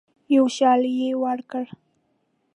یو شال یې ورکړ.